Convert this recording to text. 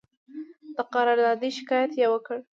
د قراردادي شکایت یې وکړ.